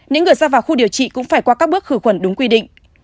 những người ra vào khu điều trị cũng phải qua các bước khử khuẩn đúng quy định